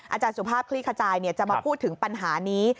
อาจารย์สุภาพคลี่ขจายจะมาพูดถึงปัญหานี้